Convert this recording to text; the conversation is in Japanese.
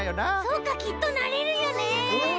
そうかきっとなれるよね！